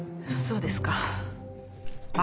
そうですか。